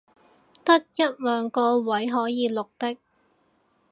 得一兩個位可以綠的